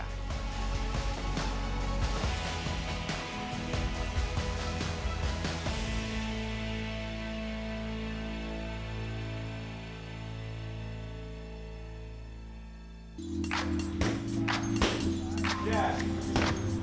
pertama penyelamatkan penyelamat